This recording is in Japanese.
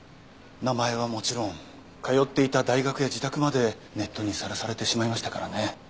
名前はもちろん通っていた大学や自宅までネットにさらされてしまいましたからね。